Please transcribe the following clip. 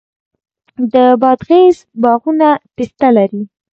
د بادغیس باغونه پسته لري.